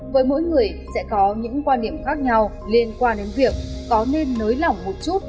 với mỗi người sẽ có những quan điểm khác nhau liên quan đến việc có nên nới lỏng một chút